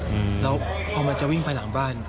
อืมแล้วพอมันจะวิ่งไปหลังบ้าน